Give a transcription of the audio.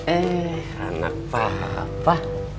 eh anak papa